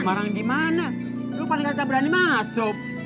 demarang di mana lu pada gata berani masuk